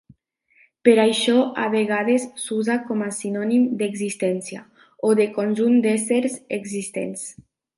Per això a vegades s'usa com a sinònim d'existència, o de conjunt d'éssers existents.